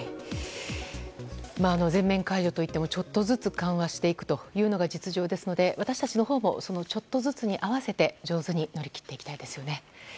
全面解除といってもちょっとずつ緩和していくのが実情ですので私たちのほうもそのちょっとずつに合わせて上手に取り組んでいきたいですね。